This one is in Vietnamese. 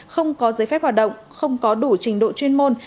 không có giấy phép hoạt động không có đủ trình độ chuyên môn